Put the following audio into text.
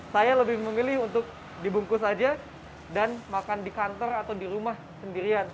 saya lebih memilih untuk dibungkus saja dan makan di kantor atau di rumah sendirian